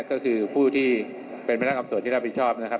ก็คือผู้ที่เป็นพนักอับสวนที่รับประชาชนนะครับ